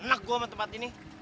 enak gue sama tempat ini